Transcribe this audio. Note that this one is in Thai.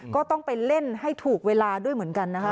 ก็ต้องไปเล่นให้ถูกเวลาด้วยเหมือนกันนะคะ